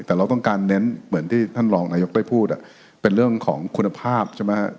แต่เราต้องการเน้นเหมือนที่ท่านรองนายกได้พูดเป็นเรื่องของคุณภาพใช่ไหม